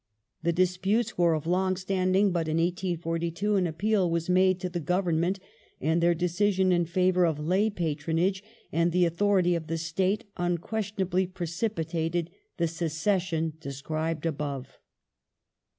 The disputes were of long standing ; but in 1842 an appeal was made to the Govern ment, and their decision in favour of lay patronage and the authority of the State unquestionably precipitated the secession described above.